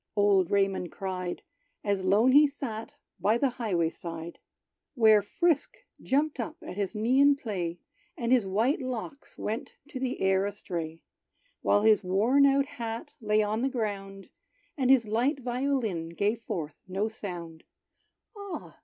old Raymond cried, As lone he sat by the highway side, Where Frisk jumped up at his knee in play; And his white locks went to the air astray; While his worn out hat lay on the ground, And his light violin gave forth no sound "Ah!